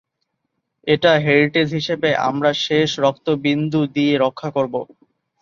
এটা হেরিটেজ হিসেবে আমরা শেষ রক্তবিন্দু দিয়ে রক্ষা করব।